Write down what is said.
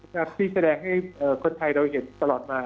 ที่แสดงให้คนไทยเราเห็นตลอดมา